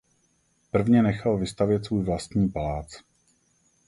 Prvně nechal vystavět svůj vlastní palác.